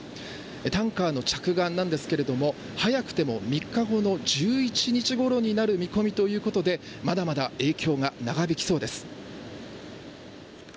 タンカーの着岸なんですが早くても３日後の１１日ごろになるという見込みでまだまだ影響が長引きそうです。